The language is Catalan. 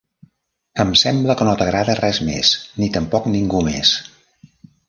Em sembla que no t'agrada res més, ni tampoc ningú més.